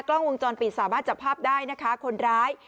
กล้องวงจรปิดสามารถจับภาพได้นะคะคนร้าย